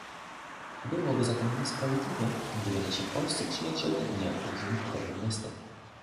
Byłoby zatem niesprawiedliwe, gdyby nasi polscy przyjaciele nie odpowiedzieli podobnym gestem